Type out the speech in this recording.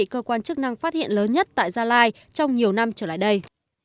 khả năng phát hiện lớn nhất tại gia lai trong nhiều năm trở lại đây